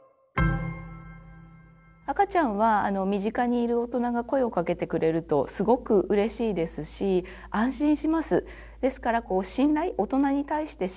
赤ちゃんは身近にいる大人が声をかけてくれるとすごくうれしいですし安心します。